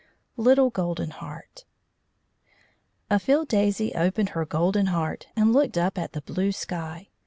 LITTLE GOLDEN HEART A field daisy opened her golden heart, and looked up at the blue sky.